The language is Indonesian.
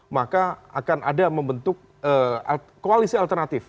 maka akan ada membentuk koalisi alternatif